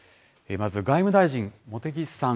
まず外務大臣、茂木さん。